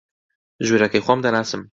ژوورەکەی خۆم دەناسم